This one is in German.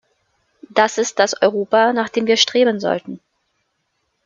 Das ist das Europa, nach dem wir streben sollten.